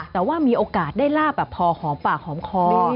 แต่ว่ามีโอกาสได้ลาบแบบพอหอมปากหอมคอ